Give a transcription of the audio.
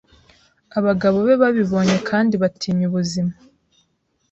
Abagabo be babibonye kandi batinya ubuzima